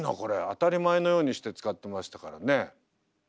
当たり前のようにして使ってましたからね。